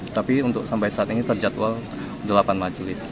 tapi untuk sampai saat ini terjadwal delapan majelis